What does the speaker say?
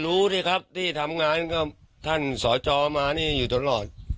ดูสิครับที่ทำงานก็ท่านสอจอมานี่อยู่ตลอด